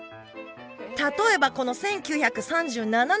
例えばこの１９３７年の広告。